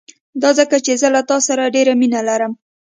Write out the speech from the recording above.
دا ځکه چې زه له تا سره ډېره مينه لرم.